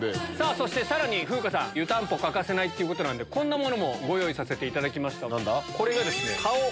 そしてさらに風花さん湯たんぽ欠かせないってことなんでこんなものもご用意させていただきました。